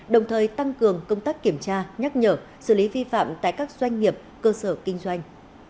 đồng thời tăng cường công tác kiểm tra nhắc nhở xử lý vi phạm tại các doanh nghiệp cơ sở kinh doanh